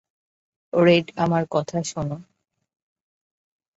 Red আমার কথা শোন।